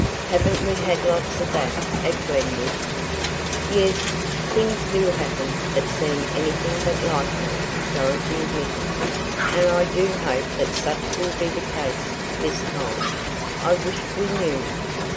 Haven't we had lots of that at Glenwood?" "Yes, things do happen that seem anything but likely," Dorothy admitted. "And I do hope that such will be the case this time. I wish we knew!"